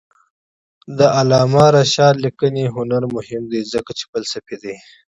د علامه رشاد لیکنی هنر مهم دی ځکه چې فلسفي دی.